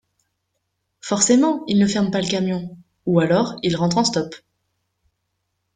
Forcément, il ne ferme pas le camion. Ou alors il rentre en stop